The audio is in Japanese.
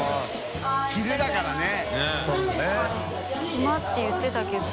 暇って言ってたけど。